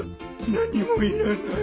何もいらない」